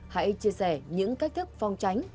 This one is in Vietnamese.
hãy chia sẻ những cách thức phong tránh